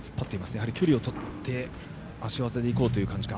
やはり距離をとって足技でいこうという感じか。